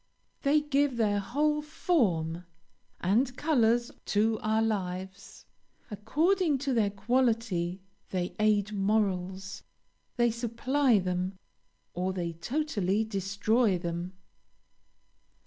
They give their whole form and colors to our lives. According to their quality they aid morals, they supply them, or they totally destroy them."